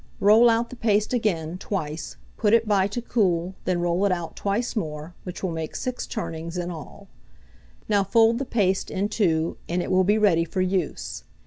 Roll out the paste again twice, put it by to cool, then roll it out twice more, which will make 6 turnings in all. Now fold the paste in two, and it will be ready for use.